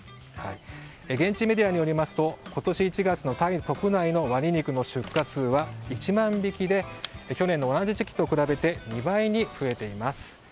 現地メディアによりますと今年１月のタイ国内のワニ肉の出荷数は１万匹で去年の同じ時期と比べて２倍に増えています。